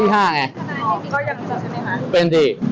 เพราะที่๕ไง